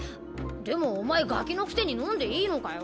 でもお前ガキのくせに飲んでいいのかよ？